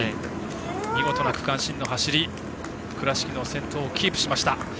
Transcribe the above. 見事な区間新の走りで倉敷の先頭をキープしました。